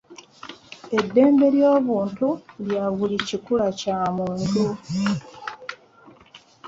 Eddembe ly'obuntu lya buli kikula Kya muntu.